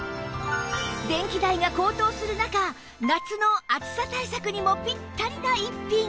電気代が高騰する中夏の暑さ対策にもピッタリな逸品